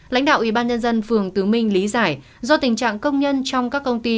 lãnh đạo ủy ban nhân dân phường tứ minh lý giải do tình trạng công nhân trong các công ty